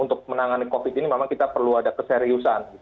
untuk menangani covid ini memang kita perlu ada keseriusan